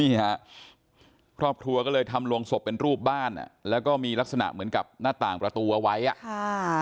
นี่ฮะครอบครัวก็เลยทำลงศพเป็นรูปบ้านอ่ะแล้วก็มีลักษณะเหมือนกับหน้าต่างประตูเอาไว้อ่ะค่ะ